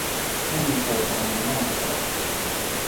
ไม่มีใครทำมันได้มาก่อน